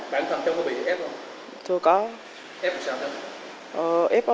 bạn thân cháu có bị ép không